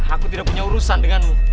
aku tidak punya urusan denganmu